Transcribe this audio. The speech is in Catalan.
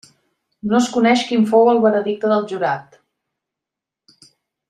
No es coneix quin fou el veredicte del jurat.